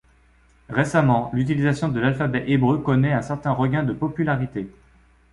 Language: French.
Récemment, l'utilisation de l'alphabet hébreu connaît un certain regain de popularité.